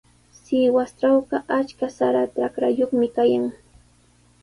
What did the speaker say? Sihuastrawqa achka sara trakrayuqmi kayan.